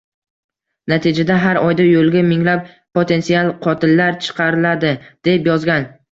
Natijada har oyda yo‘lga minglab "potensial qotillar" chiqariladi" deb yozgan